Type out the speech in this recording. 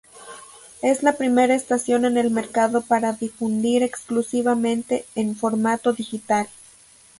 Es la primera estación en el mercado para difundir exclusivamente en formato digital.